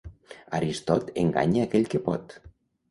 Aristot enganya aquell que pot.